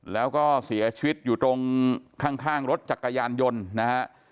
แล้วก็เสียชีวิตอยู่ตรงข้างรถจักรยานยนต์นะฮะ